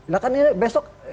nah kan besok